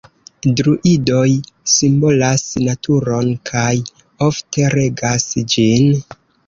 Druidoj simbolas naturon kaj ofte regas ĝin.